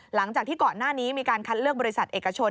หลังจากที่ก่อนหน้านี้มีการคัดเลือกบริษัทเอกชน